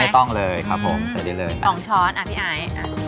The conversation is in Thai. ไม่ต้องเลยครับผมเสร็จเลยสองช้อนอ่ะพี่อาย